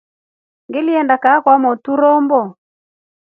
Ngilinda kaa kwa mwotru rombo.